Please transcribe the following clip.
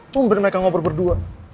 tunggu mereka ngobrol berdua